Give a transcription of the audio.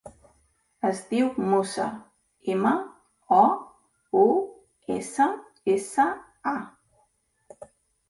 Es diu Moussa: ema, o, u, essa, essa, a.